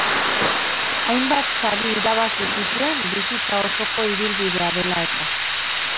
Hainbat sari irabazi zituen bizitza osoko ibilbidea dela eta.